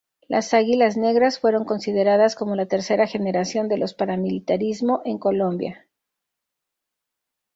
Las Águilas Negras fueron consideradas como la tercera generación de los Paramilitarismo en Colombia.